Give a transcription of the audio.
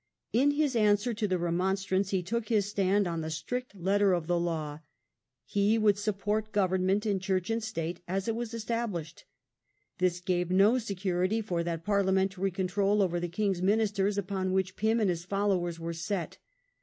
In his answer to the Remonstrance he took his stand on the strict letter of the law; he would support government in church and state as it was estab lished. This gave no security for that Parliamentary control over the king's ministers upon which Pym and his followers were set.